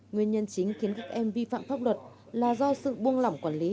nguyên nhân chính khiến các em vi phạm pháp luật là do sự buông lỏng quản lý